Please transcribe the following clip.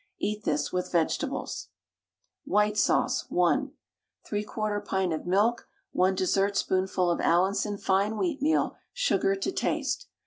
Eat this with vegetables. WHITE SAUCE (1). 3/4 pint of milk, 1 dessertspoonful of Allinson fine wheatmeal, sugar to taste.